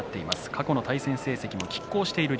過去の対戦成績はきっ抗しています。